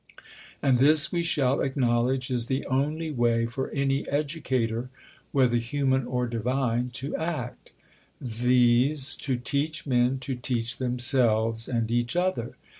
And this we shall acknowledge is the only way for any educator, whether human or divine, to act viz. to teach men to teach themselves and each other.